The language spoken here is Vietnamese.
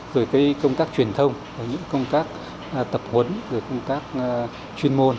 rồi công tác truyền thông công tác tập huấn công tác chuyên môn